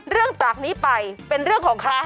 เรื่องจากนี้ไปเป็นเรื่องของคะ